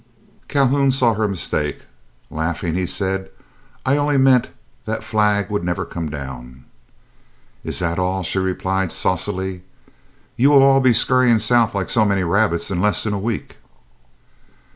Calhoun saw her mistake. Laughing, he said, "I only meant that flag would never come down." "Is that all?" she replied, saucily; "you all will be scurrying south like so many rabbits in less than a week."